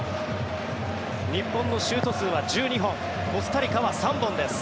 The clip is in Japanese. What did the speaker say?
日本のシュート数は１２本コスタリカは３本です。